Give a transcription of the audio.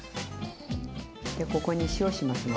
でここに塩しますね。